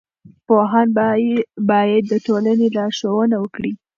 پوهان باید د ټولنې لارښوونه وکړي.